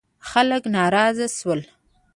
خلک ناراضه شول.